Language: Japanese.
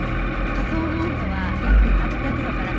火葬の温度は約８００度から１２００度。